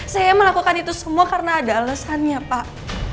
saya melakukan itu semua karena ada alasannya pak